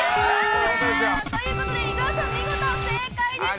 ということで、伊沢さん、見事正解です。